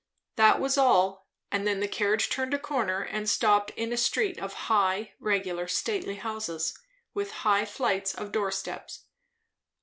That was all; and then the carriage turned a corner and stopped in a street of high, regular, stately houses, with high flights of doorsteps.